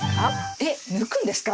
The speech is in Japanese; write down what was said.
えっ抜くんですか？